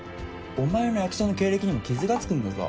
お前の役者の経歴にも傷が付くんだぞ。